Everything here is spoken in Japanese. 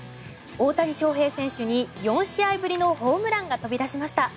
大谷翔平選手に４試合ぶりのホームランが飛び出しました。